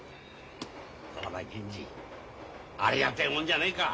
どうだ銀次ありがてえもんじゃねえか。